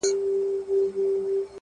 څوک چي ستا يو دين د زړه په درزېدا ورکوي”